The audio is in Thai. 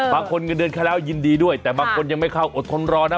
เงินเดือนแค่แล้วยินดีด้วยแต่บางคนยังไม่เข้าอดทนรอนะ